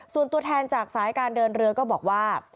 ส่วนตัวแทนจากสายการเดินเรือก็บอกว่า